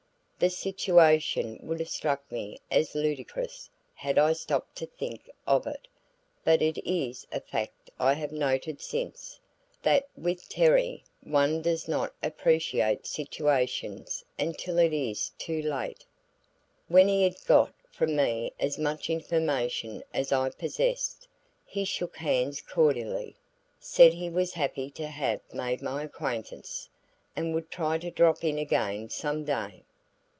The situation would have struck me as ludicrous had I stopped to think of it; but it is a fact I have noted since, that, with Terry, one does not appreciate situations until it is too late. When he had got from me as much information as I possessed, he shook hands cordially, said he was happy to have made my acquaintance, and would try to drop in again some day.